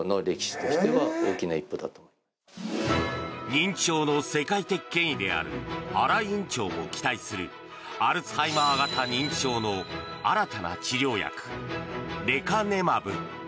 認知症の世界的権威である新井院長も期待するアルツハイマー型認知症の新たな治療薬レカネマブ。